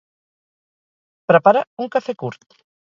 Prepara un cafè curt.